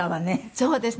そうですね。